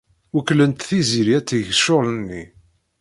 Wekklent Tiziri ad teg ccɣel-nni.